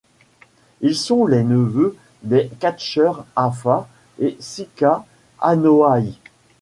Ils sont les neveux des catcheurs Afa et Sika Anoa'i.